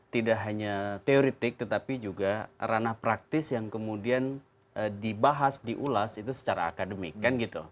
tidak hanya teoretik tetapi juga ranah praktis yang kemudian dibahas diulas itu secara akademik kan gitu